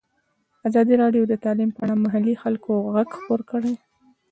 ازادي راډیو د تعلیم په اړه د محلي خلکو غږ خپور کړی.